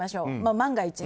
万が一。